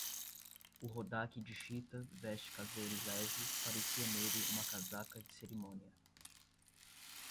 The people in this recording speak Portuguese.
O rodaque de chita, veste caseira e leve, parecia nele uma casaca de cerimônia.